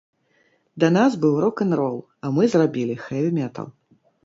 Да нас быў рок-н-рол, а мы зрабілі хэві метал!